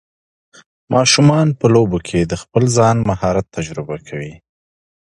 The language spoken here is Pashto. ماشومان په لوبو کې د خپل ځان مهارت تجربه کوي.